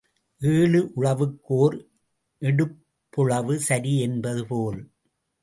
ஏழு உழவுக்கு ஓர் எடுப்புழவு சரி என்பது போல்.